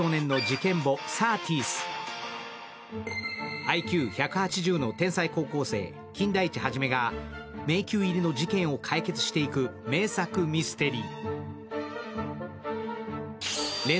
ＩＱ１８０の天才高校生・金田一が迷宮入りの事件を解決していく名作ミステリー。